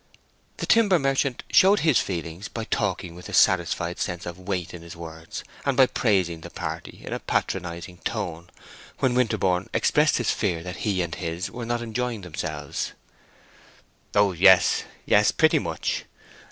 The timber merchant showed his feelings by talking with a satisfied sense of weight in his words, and by praising the party in a patronizing tone, when Winterborne expressed his fear that he and his were not enjoying themselves. "Oh yes, yes; pretty much.